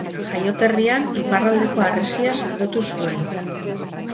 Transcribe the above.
Jaioterrian iparraldeko harresia sendotu zuen.